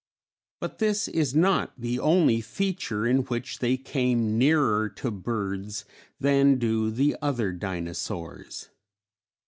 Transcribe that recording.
But this is not the only feature in which they came nearer to birds than do the other Dinosaurs.